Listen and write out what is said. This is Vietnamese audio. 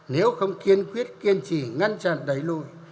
nếu không kiên quyết kiên trì ngăn chặn đẩy lùi